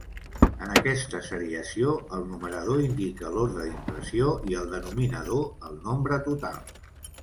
En aquesta seriació el numerador indica l'orde d'impressió i el denominador el nombre total.